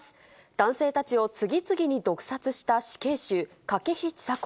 男性たちを次々に毒殺した死刑囚、筧千佐子。